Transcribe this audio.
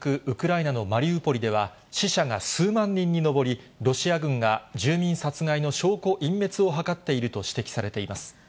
ウクライナのマリウポリでは、死者が数万人に上り、ロシア軍が住民殺害の証拠隠滅を図っていると指摘されています。